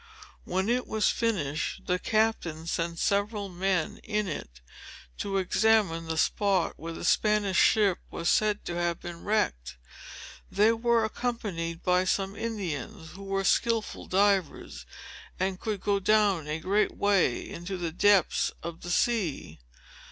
When it was finished, the Captain sent several men in it, to examine the spot where the Spanish ship was said to have been wrecked. They were accompanied by some Indians, who were skilful divers, and could go down a great way into the depths of the sea.